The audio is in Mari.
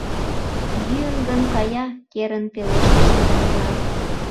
— Йӱын гын, кая, — керын пелештыш Танила.